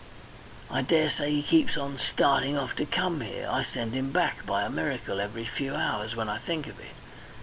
I daresay he keeps on starting off to come here. I send him back, by a miracle, every few hours, when I think of it.